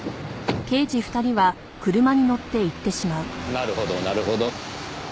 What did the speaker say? なるほどなるほど。